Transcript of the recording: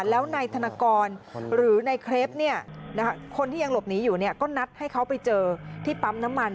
แล้วนายธนกรหรือในเครปคนที่ยังหลบหนีอยู่ก็นัดให้เขาไปเจอที่ปั๊มน้ำมัน